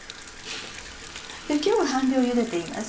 今日は半量ゆでています。